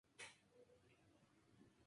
Este hecho da el nombre al aparato.